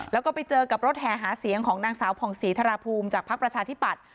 แล้วก็ไปเจอกับรถแห่หาเสียงของนางสาวผ่องศรีธรภูมิจากภักดิ์ประชาธิปัตย